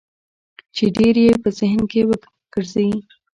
چې ډېر يې په ذهن کې ورګرځي.